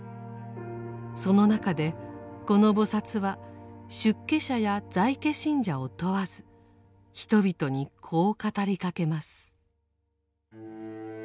その中でこの菩薩は出家者や在家信者を問わず人々にこう語りかけます。